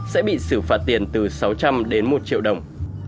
sẽ bị xử phạt tiền từ sáu trăm linh đến một triệu đồng